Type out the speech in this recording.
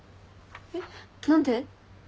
えっ何で？